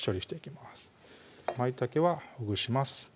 まいたけはほぐします